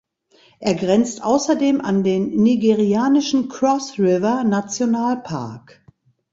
Er grenzt außerdem an den nigerianischen Cross-River-Nationalpark.